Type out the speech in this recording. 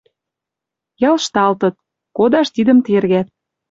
Ялшталтыт. Кодаш тидӹм тергӓт.